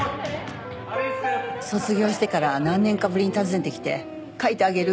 卒業してから何年かぶりに訪ねてきて描いてあげる！